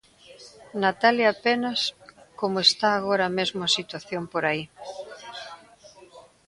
Natalia Penas, como está agora mesmo a situación por aí.